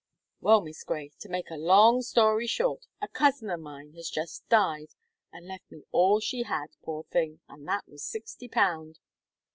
Well, Miss Gray, to make a long story short, a cousin of mine has just died, and left me all she had, poor thing, and that was sixty pound.